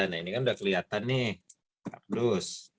nah ini kan udah kelihatan nih abdus